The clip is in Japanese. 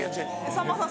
さんまさん